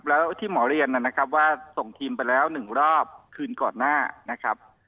แล้วที่หมอเรียนนะครับว่าส่งทีมไปแล้ว๑รอบคืนก่อนหน้านะครับ